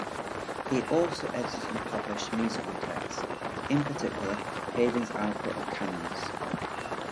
He also edited and published musical texts, in particular Haydn's output of canons.